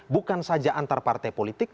bukan saja antar partai politik